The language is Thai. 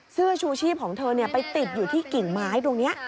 เสื้อชูชีพของเธอไปติดอยู่ที่กิ่งไม้ตรงนี้